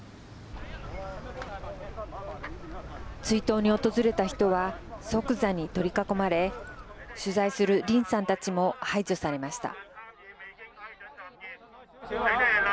追悼に訪れた人は即座に取り囲まれ取材する林さんたちも排除されました。